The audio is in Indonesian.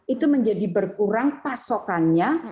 itu menjadi berkurang pasokannya